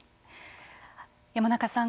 山中さん